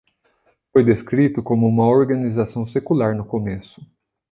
Foi descrito como uma organização secular no começo.